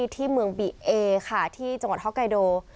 ที่เมืองบิเอค่ะที่จังหวัดฮอกไกโด